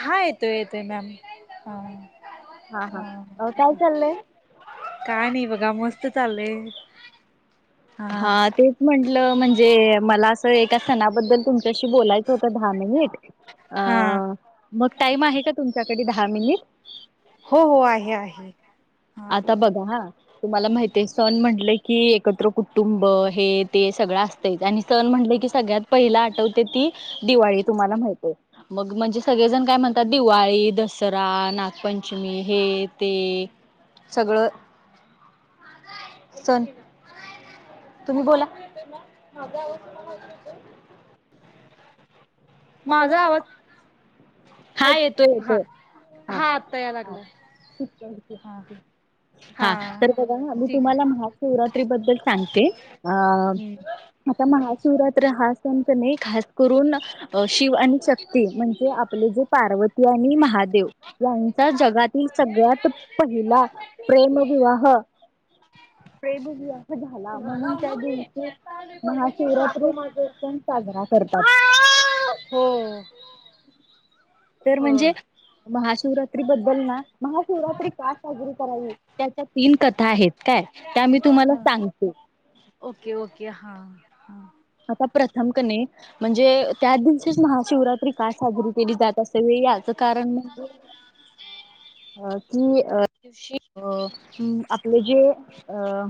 हा येतो. येतोय मॅम हा. हा- हा काय चाललय? काय नाही बघा मस्त चाललय. हा तेच म्हंटल म्हणजे मला अस एका सणाबद्दल तुमच्याशी बोलायच. होता. दहा मिनिट अ मग टाइम आहे का तुमच्याकडे दहा मिनिट? हो -हो आहे आहे हा बोला. तुम्हाला माहित आहे सण म्हटल की एकत्र कुटुंब हे ते सगळ असत. आणि सण म्हटले की सगळ्यात पहिला आठवते ती दिवाळी तुम्हाला माहितीय. मग म्हणजे सगळेजण काय म्हणतात दिवाळी दसरा नागपंचमी हे ते सगळ सण तुम्ही बोला. माझा आवाज. हा येतो येतो. हा तर बघा मी तुम्हाला महाशिवरात्री बद्दल सांगते अ. आता महाशिवरात्र हा सण क नाही खास करून. शिव आणि शक्ती म्हणजे आपले जे पार्वती आणि महादेव यांचा जगात. सगळ्यात पहिला प्रेमविवाह. झाला म्हणून त्या दिवशी महाशिवरात्री म पण साजरा करत ह. हो. तर म्हणजे महाशिवरात्री बद्दल ना महाशिवरात्री का साजरी करावी. त्याच्या तीन कथा आहेत. काय त्या मी तुम्हाला सांगतो. ओके -ओके हा. आता प्रथम क म्हणजे त्याच दिवशीच महाशिवरात्री काय साजरी केली जात असेवी याच कारण म्हणजे. ह कि दिवशी आपले जे अ.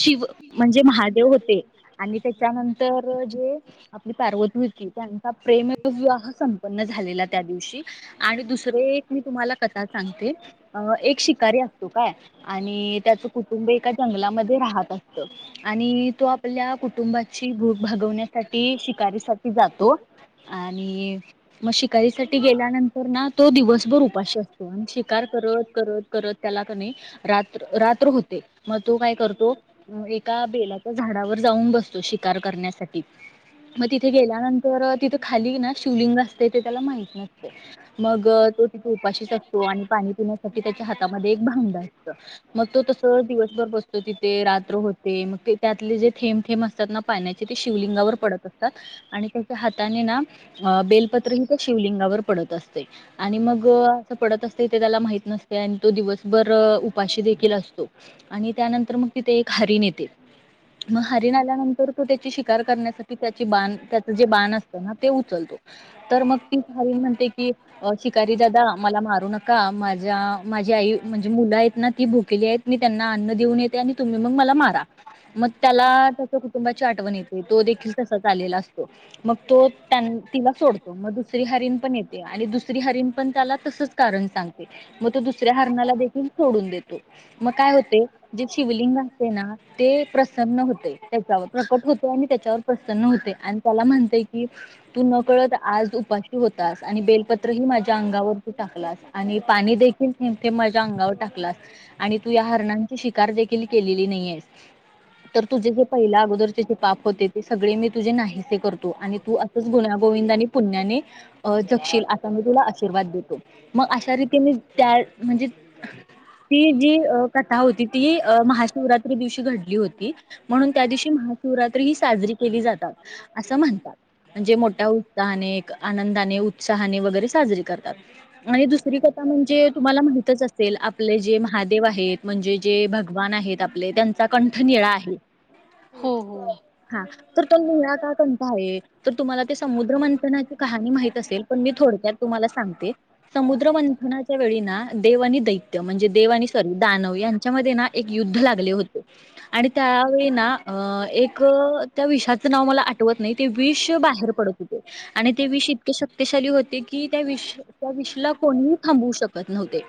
शिव म्हणजे महादेव होते आणि त्याच्यानंतर जे आपली पार्वती होती. त्यांचा प्रेमविवाह संपन्न झालेला त्या दिवशी. आणि दुसरे एक मी तुम्हाला कथा सांगते. अ एक शिकारी असतो काय आणि त्याच कुटुंब एका जंगलामध्ये राहत असत. आणि तो आपल्या कु बाची भूक भागवण्यासाठी शिकारी साठी जातो. आणि मग शिकारीसाठी गेल्यानंतर ना, तो दिवसभर उपाशी असतो. आणि शिकार करत, करत करत त्याला कणी रात-रात्र होते, मग तो काय करतो एका बेलाचा झाडावर जाऊन बसतो शिकार करण्यासाठी, म तिथे गेल्यानंतर तिथं खाली ना शिवलिंग असतय ते त्याला माहित नसतय. मग तो तिथे उपाशीच असतो आणि पाणी पिण्यासाठी त्याच्या हातामध्ये एक भांड असत. मग तो तस दिवसभर बसतो तिथे, रात्र होते मग ते त्यातले जे थेंब- थेबं असते त्यात ना, पाण्याचे ते शिवलिंगावर पडत असतात. आणि त्याच्या हाताने ना, बेलपत्र हितं शिवलिंगावर पडत असतय. आणि मग, असं पडत असतय ते त्याला माहित नसत त्या न तो दिवसभर उपाशी देखील असतो. आणि त्यानंतर मग तिथे एक हरीण येते. म हरीण आलं तो त्याची शिकार करण्यासाठी त्याची, त्याच बाण जे बाण असतं ना, ते उचलतो. तर मग तीच हारीण म्हणते की, शिकारी दादा मला मारू नका माझ्या माझी आई, म्हणजे मुलं आहेत ना ती भुकेली आहेत. मी त्यांना अन्न देऊन येते आणि तुम्ही मग मला मारा. मग त्याला कुटुंबाची आठवण येते, तो देखील तसाच आलेला असतो. मग तो त्यानं, तिला सोडतो मग दुस दुसरी हरीन पण येते, आणि दुसरी हरीण पण त्याला तसच कारण सांगते. मग तो दुसऱ्या हरणाला देखील सोडून देतो. मग काय होतय जे शिवलिंग असतय ना, ते प्रसन्न होतय. त्याच्यावर प्रकट होतो आणि त्याच्यावर प्रसन्न होते आणि त्याला म्हणते की तू नकळत आज उपाशी होतास. आणि बेलपत्रही माझ्या अंगावर तू टाकलास, आणि पाणी देखील ते माझ्या अंगावर टाकलास, आणि तू या हरणांची शिकार देखील केलेली नाहीेयेस. तर तुझे जर त्या अगोदरचे जे पाप होते ते सगळे मी तुझे नाहीसे करतो, आणि तू असंच गुन्या -गोविंदाने पुण्याने अ, जगशील आता मी तुला आशीवाद देतो. मग अशा रीतीने त्या म्हणजे ती, जी अप कथा होती ती महाशिवरात्री दिवशी घडली होती. म्हणून त्या दिवशी महाशिवरात्री ही साजरी केली जातात, असं म्हणतात. म्हणजे मोठ्या उत्साहाने, आनंदाने, उत्साहाने वगैरे साजरी करतात आणि दुसरी कथा म्हणजे तुम्हाला माहितच असेल, आपले जे महादेव आहेत, म्हणजे जे भगवान आहेत आपले त्यांनं चा कंठ निळा आहे. हो, हो. हा, तर तो निळा का कंट आहे? तर तुम्हाला ते समुद्र मंथनाची कहाणी माहत असेल, पण मी थोडक्यात तुम्हाला सांगते. समुद्रमंथनाच्या वेळी ना, देव आणि दैत्य म्हणजे देव आणि सॉरी दानव यांच्यामध्ये ना. एक युद्ध लागले होते, आणि त्यावेळी ना अ, एक त्या विषाचं नाव मला आठवत नाही, ते विष बाहेर पडत होते. आणि ते विष इतके शक्तशाली होते की, त्या विष त्या विषला कोणीही थांबू शकत नव्हते.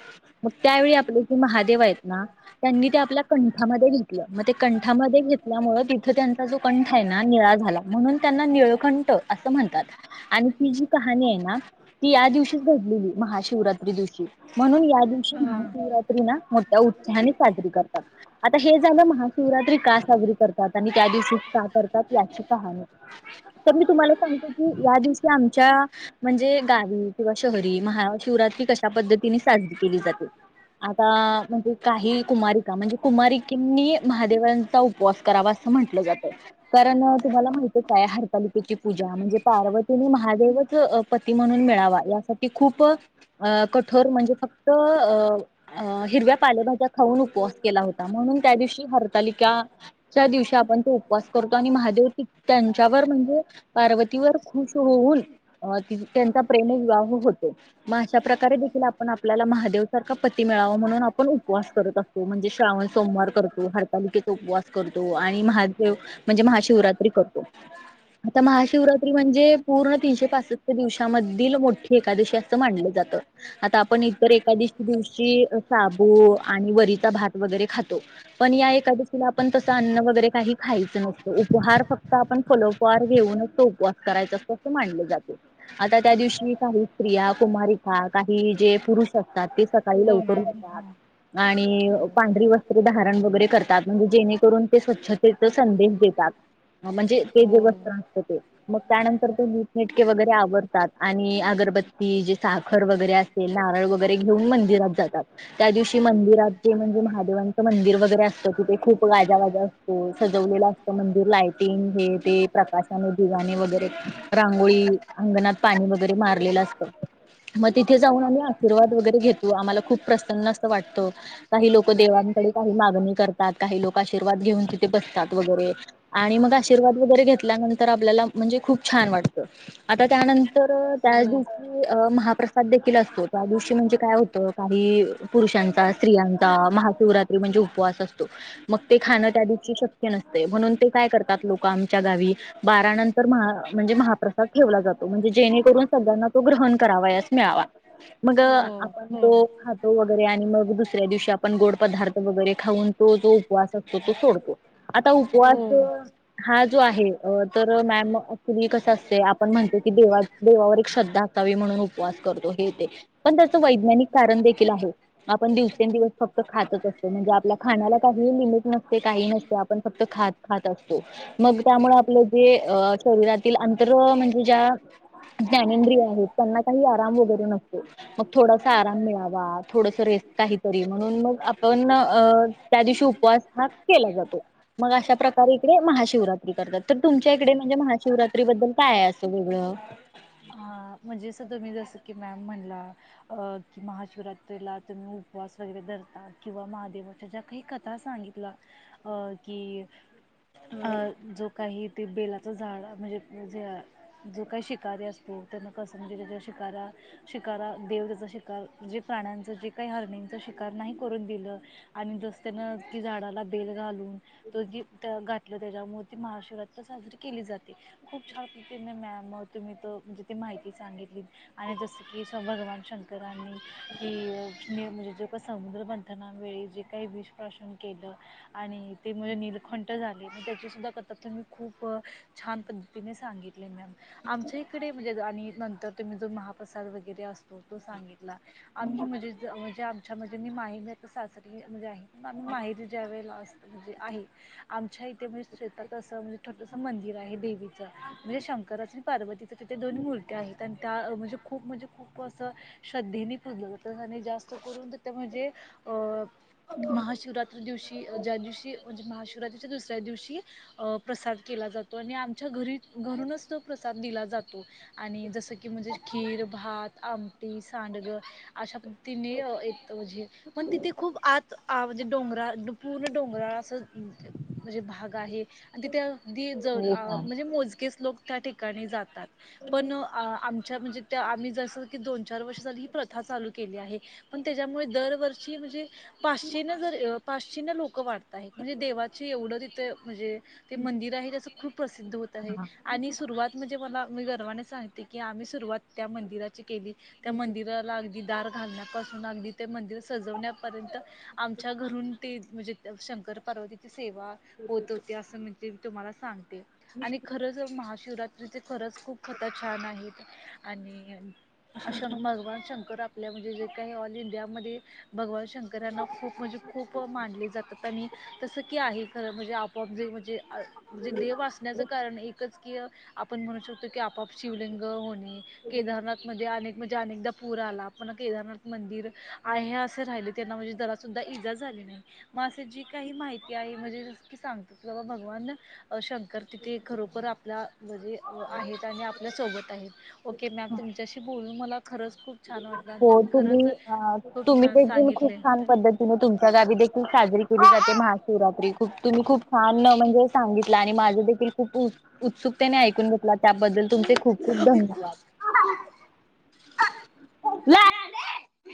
मग त्यावेळी आपले जे महादेव आहेत ना, त्यांनी ते आपल्या कंठामध्ये घेतलं मग ते कंठ कठामध्ये घेतल्यामुळ तिथं त्यांचा जो कंठ आहे ना निळा झाला, म्हणून त्यांना निळकंठ असं म्हणतात. आणि ती जी कहाणी आहे ना, ती या दिवशीच घडलेली महाशिवरात्री दिवशी. म्हणून या दिवशी महाशिवरात्री ना, मोठ्या उत्साहाने साजरी करतात. आता हे झालं महाशिवरात्री का साजरी करतात, आणि त्या दिवशी का करतात याची कहाणी. तर मी तुम्हाला सांगते. की या दिवशी आमच्या म्हणजे गावी किंवा शहरी महा शिवरात्री कशा पद्धतीने साजरी केली जाते? आता म्हणजे काही कुमारीका म्हणजे कुमारीककींनी महादेवां उपवास करावा असं म्हंटलं जातं कारण तुम्हाला माहितेय का? हरतालिकेची पूजा म्हणजे पार्वतीनी महादेवचं पती म्हणून मिळावा यासाठी खूप अ कठोर म्हणजे फक्त अ अ हिरव्या पालेभाज्या खाऊन उपवास केला होता. म्हणून त्या दिवशी हरतालिका त्या दिवशी आपण तो उपवास करतो आणि महादेव त्यांच्यावर म्हणजे पार्वतीवर खुश होऊन त्यांचा प्रेमविवाह होतो. मग अशा प्रकारे देखील आपण आपल्याला महादेव सारखा पती मिळावा, म्हणून आपण उपवास करत असतो. म्हणजे श्रवण सोमवार करतो. हरतालिका उपवास करतो आणि महादेव म्हणजे महाशिवरात्री करतो. आता महाशिवरात्री म्हणजे पूर्ण तीनशे पासष्ट दिवसांमधील मोठी एकादशी असं मानलं जातं. आता आपण इतर एकादशी दिवशी साबू आणि वरीचा भात वगैरे खातो. पण या एकादवशीला आपण तसं अन्न वगैरे काही खायचं नसतं उपहार फक्त आपण फलोफार घेऊनच तो उपवास करायचा असतो असं मानले जातो. आता त्या दिवशी काही स्त्रीया, कुमारिका, काही जे पुरुष असतात ते सकाळी लवकर उठतात आणि पांढरी वस्त्र धारण वगैरे कर तात म्हणजे जेणेकरून ते स्वच्छतेचं संदेश देतात म्हणजे ते जे वस्त्र असत ते मग त्यानंतर ते नीटनेटके वगैरे आवरतात आणि अगरबत्ती जे साखर वगैरे असं ते नारळ वगैरे घेऊन मंदिरात जातात. त्या दिवशी मंदिरातचे म्हणजे महादेवांचं मंदिर वगैरे असं तिथे खूप गाजावाजा असतो सजवलेलं असत मंदिर लायटिंग हे ते प्रकाशाने दिव्याने वगैरे रांगोळी अंगणात पाणी वगैरे मारलेलं असतं म तिथे जाऊन आम्ही आशीर्वाद वगैरे घेतो. आम्हाला खूप प्रसन्न असत वाटतं काही लोकं देवांकडे काही मागणी करतात काही लोकं आशीर्वाद घेऊन तिथे बसतात वगैरे आणि मग आशीर्वाद वगैरे घेतल्यानंतर आपल्याला म्हणजे खूप छान वाटतं आता त्यानंतर त्याच दिवशी महाप्रसाद देखील असतो त्या दिवशी म्हणजे काय होतं काही पुरुषांचा स्त्रियांचा महाशिवरात्री म्हणजे उपवास अस तो मग ते खाणं त्या दिवशी शक्य नसतय, म्हणून ते काय करतात लोक आमच्या गावी बाराानंतर महा म्हणजे महाप्रसाद ठेवला जातो म्हणजे जेणेकरून सगळ्यांना तो ग्रहण करावयास मिळावा मग आपण तो खातो वगैरे आणि मग दुसऱ्या दिवशी आपण गोड पदार्थ वगैरे खाऊन तो जो उपवास असतो तो सोडतो. आता उपवास हा जो आहे तर मॅम ऍक्च्युली कस असतय आपण म्हणतो की देवा देवावर एक श्रद्धा असावी म्हणून उपवास करतो. हे ते पण त्याचं वैज्ञानिक कारण देखील आहे आपण दिवसेंदिवस फक्त खातच असतो. म्हणजे आपला खाण्याला काही लिमिट नसते काही नसते. आपण फक्त खात खात असतो मग त्यामुळे आपलं जे अ शरीरातील अंतर म्हणजे? ज्या ज्ञानेंद्रिय आहेत त्यांना काही आराम वगैरे नसतो. मग थोडासा आराम मिळावा थोडंस रेस्ट काहीतरी म्हणून मग आपण अ त्या दिवशी उपवास हा केला जातो. मग अशा प्रकारे इकडे महाशिवरात्री करतात तर तुमच्या इकडे म्हणजे महाशिवरात्री बद्दल काय आहे असं वेगळं? म्हणजे अस तुम्ही जसं की मॅम म्हणला. अं कि महाशिवरात्रीला तुम्ही उपवास वगैरे धरता. किंवा महादेवा त्याच्या काही कथा सांगितला. अ की जो काही ते बेलाचं झाड. म्हणजे जे जो काही शिकारी असतो. त्यांना कस म्हणजे ते जे शिकारा. शिकारा देवतेचा शिकार जे प्राण्यांच जे काही हारणींच शिकार नाही करून दिलं. आणि जस त्यान ती झाडाला बेल घालून, तो जे घातलं त्याच्यामुळे ती महाशिवरात्र साजरी केली जाते. खूप छान प्रतीने मॅम तुम्ही तो म्हणजे ते माहिती सांगितली. आणि जसं की स भगवान शंकर ांनी की म्हणजे जे का समुद्र मंथनावेळी जे काही विष प्रशन केलं. आणि ते म्हणजे निलखंठ झाले. त्याची सुद्धा कथा तुम्ही खूप छान पध्द तीने सांगितले मॅम. आमच्या इकडे म्हणजे आणि नंतर तुम्ही जो महाप्रसाद वगैरे असतो तो सांगितला. आम्ही म्हणजे म्हणजे आमच्यामध्ये मी माहेरी मिळत सासरी म्हणजे आहे. आम्ही माहिरी ज्यावेळेला असतो. म्हणजे आहे. छआमच्या इथे म्हणजे शेतात असं म्हणजे छोटस मंदिर आहे देवीचं. म्हणजे शंकराच आणि पार्वतीच तिथे दोन मूर्ती्या आहेत. आणि त्या म्हणजे खूप म्हणजे खूप असं श्रद्धेने पुजलं जात. आणि जास्त करून तर ते म्हणजे अ महाशिवरात्री दिवशी. ज्या दिवशी. म्हणजे महाशिवरात्रीच्या दुसऱ्या दिवशी. अ प्रसाद केला जातो. आणि आमच्या घरी घरूनच तो प्रसाद दिला जात तो. आणि जस की म्हणजे खीर, भात, आम सांडग. अशा पद्तीने अ पण तिथे खूप आत आ म्हणजे डोंगरा पूर्ण डोंगराळ असं म्हणजे भाग आहे. आणि तिथे अगदी ज अ, म्हणजे मोजकेच लोक त्या ठिकाणी जातात. पण आमच्या म्हणजे त्या आम्ही जसं की दोन चार वर्ष झाली ही प्रथा चालू केली आहे. पण त्याच्यामुळे दरवर्षी म्हणजे पाचशे ना जर पाचशे ना लोक वाढत आहेत. म्हणजे देवाची एवढं तिथे म्हणजे ते मंदिर आहे. जे खूप प्रसिद्ध होत आहे. आणि सुरुवात म्हणजे मला मी गर्वाने सांगते की आम्ही सुरुवात त्या मंदिराची केली. त्या मंदिराला अगदी दार घालण्यापासून, अगदी ते मंदिर सजवण्यापर्यंत आमच्या घरून ते म्हणजे शंकर पार्वतीची सेवा पोच होते असं तुम्हाला सांगते. आणि खरंच महाशिवरात्रीच खरंच खूप कथा छान आहेत. आणिं भगवान शंकर आप आपल्या म्हणजे जे काही ऑल इंडियामध्ये. भगवान शंकरांना खूप म्हणजे खूप मानले जातात. आणि तसं की आहे. खरं म्हणजे आपोआप जे म्हणजे म्हणजे देव असण्याचं कारण एकच की, आपण म्हणू शकतो की आपोआप शिवलिंग होणे. केदारनाथ मध्ये अनेक म्हणजे अनेकदा पुर आला. पण केदारनाथ मंदिर आहे असे राहिले. त्यांना म्हणजे जरा सुद्धा इजा झाली नाही. म अशी जी काही माहिती आहे. म्हणजे की सांगतात बाबा भगवान ना शंकर तिथे खरोखर आपला म्हणजे आहेत. आणि आपल्या सोबत आहेत. ओके मॅम तुमच्याशी बोलून मला खरंच खूप छान वाट हो तुम्ही तुम्ही देल खूप छान पद्धती तूम्ही तुमच्या गावी देखील साजरी केली जाते महाशिवरात्री. खूप तुम्ही खूप छान म्हणजे सांगितल. आणि माझे देखील खूप उ उत्सुकतेने ऐकून घेतल. त्याबद्दल तुमचे खूप खूप धन्यवाद. [unintelligible] ब्ला